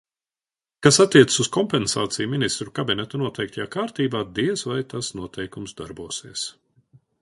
Kas attiecas uz kompensāciju Ministru kabineta noteiktajā kārtībā, diez vai tas noteikums darbosies.